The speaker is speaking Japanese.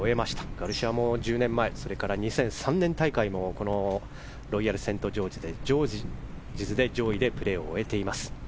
ガルシアも１０年前それから２００３年大会もこのロイヤルセントジョージズで上位でプレーを終えています。